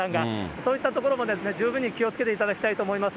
そういったところも十分に気をつけていただきたいと思います。